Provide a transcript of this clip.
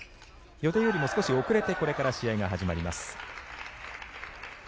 予定よりも少し遅れてこれから試合が始まります。